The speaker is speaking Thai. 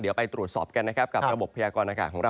เดี๋ยวไปตรวจสอบกันนะครับกับระบบพยากรณากาศของเรา